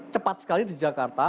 cepat sekali di jakarta